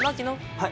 はい